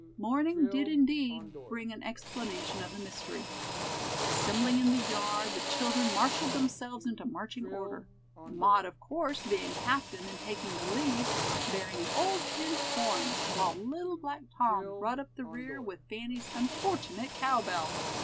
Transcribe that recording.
Morning did indeed bring an explanation of the mystery. Assembling in the yard, the children marshaled themselves into marching order; Maud, of course, being captain, and taking the lead, bearing an old tin horn, while little black Tom brought up the rear with Fanny's unfortunate cow bell.